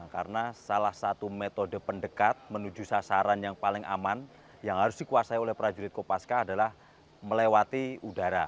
karena salah satu metode pendekat menuju sasaran yang paling aman yang harus dikuasai oleh prajurit kopaska adalah melewati udara